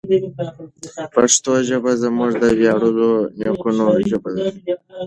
پښتو ژبه زموږ د ویاړلو نیکونو ژبه ده.